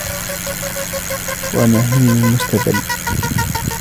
وَمَهِينٌ مُسْتَذَلٌّ